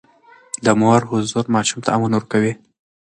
د مور حضور ماشوم ته امن ورکوي.